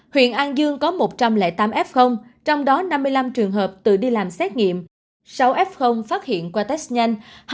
huyện an dương có một trăm linh tám f trong đó năm mươi năm trường hợp tự đi làm xét nghiệm sáu f phát hiện qua test nhanh